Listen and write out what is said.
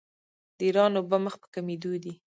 د ایران اوبه مخ په کمیدو دي.